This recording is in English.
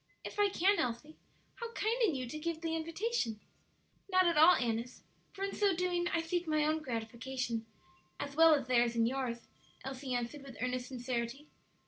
"If I can, Elsie. How kind in you to give the invitation!" "Not at all, Annis; for in so doing I seek my own gratification as well as theirs and yours," Elsie answered, with earnest sincerity.